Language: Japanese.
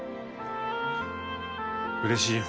うれしいよ。